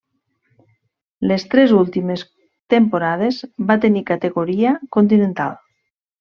Les tres últimes temporades va tenir categoria continental.